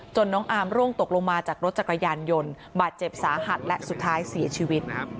น้องอาร์มร่วงตกลงมาจากรถจักรยานยนต์บาดเจ็บสาหัสและสุดท้ายเสียชีวิต